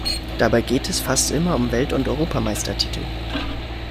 Dabei geht es fast immer um Welt- und Europameistertitel.